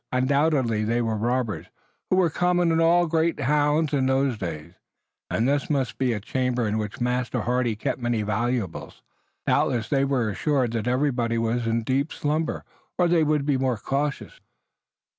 Undoubtedly they were robbers, who were common in all great towns in those days, and this must be a chamber in which Master Hardy kept many valuables. Doubtless they were assured that everybody was deep in slumber, or they would be more cautious.